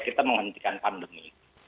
kita menghentikan pandemi